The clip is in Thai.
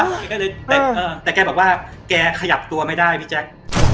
แต่แกบอกว่าแกขยับตัวไม่ได้พี่แจ๊ค